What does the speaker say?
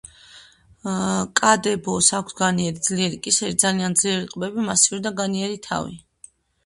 კა დე ბოს აქვს განიერი, ძლიერი კისერი, ძალიან ძლიერი ყბები, მასიური და განიერი თავი.